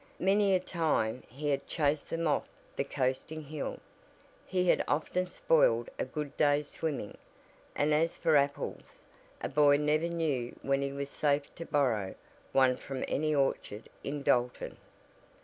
Many a time he had chased them off the coasting hill, he had often spoiled a good day's swimming, and as for apples a boy never knew when he was safe to "borrow" one from any orchard in Dalton.